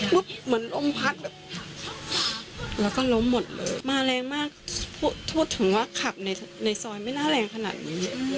เหมือนลมพัดแบบแล้วก็ล้มหมดเลยมาแรงมากพูดถึงว่าขับในในซอยไม่น่าแรงขนาดนี้